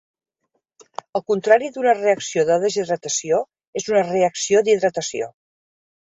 El contrari d"una reacció de deshidratació és una reacció d"hidratació.